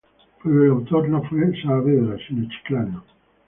Pero el autor no fue Saavedra sino Chiclana.